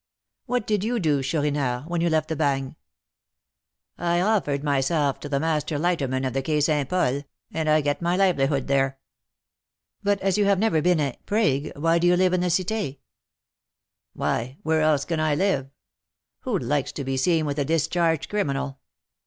"What did you do, Chourineur, when you left the Bagne?" "I offered myself to the master lighterman of the Quai St. Paul, and I get my livelihood there." "But as you have never been a 'prig,' why do you live in the Cité?" "Why, where else can I live? Who likes to be seen with a discharged criminal?